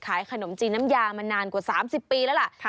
ขนมจีนน้ำยามานานกว่า๓๐ปีแล้วล่ะ